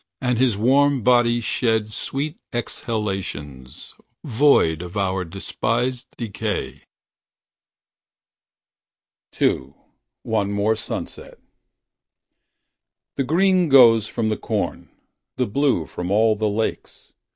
And his warm body shed Sweet exhalations, void Of our despised decay. II. One More Sunset The green goes from the corn. The blue from all the lakes.